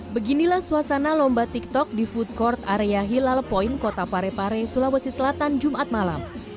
beginilah suasana lomba tiktok di food court area hilal point kota parepare sulawesi selatan jumat malam